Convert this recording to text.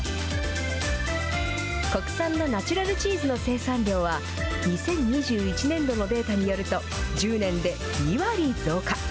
国産のナチュラルチーズの生産量は、２０２１年度のデータによると、１０年で２割増加。